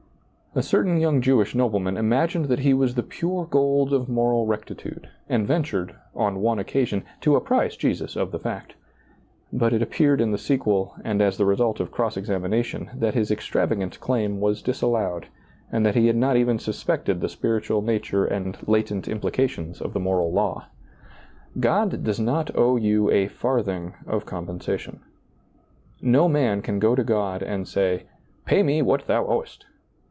A certain young Jewish nobleman imagined that he was the pure gold of moral rectitude, and ventured, on one occasion, to apprise Jesus of the fact; but it appeared in the sequel and as the result of cross examination that his ex travagant claim was disallowed and that he had not even suspected the spiritual nature and latent implications of the moral law. God does not owe you a farthing of compensation. No man can go to God and say, " Pay me what Thou owest."